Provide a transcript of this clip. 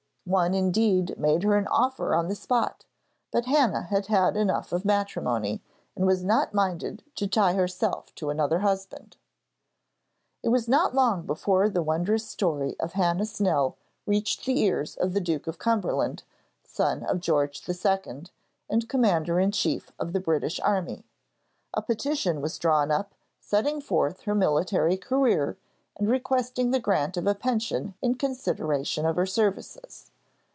One, indeed, made her an offer on the spot; but Hannah had had enough of matrimony, and was not minded to tie herself to another husband. It was not long before the wondrous story of Hannah Snell reached the ears of the Duke of Cumberland, son of George II., and Commander in Chief of the British Army. A petition was drawn up, setting forth her military career, and requesting the grant of a pension in consideration of her services.